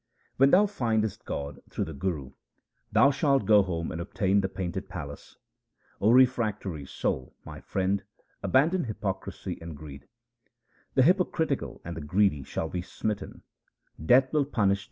When thou findest God through the Guru thou shalt go home and obtain the painted palace. 0 refractory soul, my friend, abandon hypocrisy and greed : The hypocritical and the greedy shall be smitten ; Death will punish them with his mace.